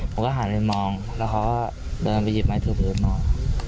ผมก็หันไปมองแล้วเขาก็เดินไปหยิบไม้ถือปืนมา